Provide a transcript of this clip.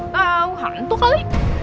tau hantu kali